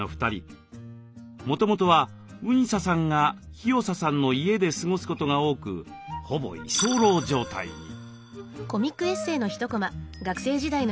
もともとはうにささんがひよささんの家で過ごすことが多くほぼ居候状態に。